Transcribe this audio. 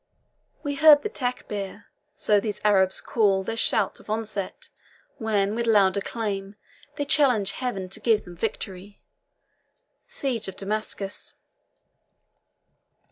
We heard the Techir so these Arabs call Their shout of onset, when, with loud acclaim, They challenge Heaven to give them victory. SIEGE OF DAMASCUS.